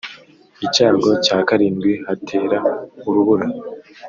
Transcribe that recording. Icyago cya karindwi hatera urubura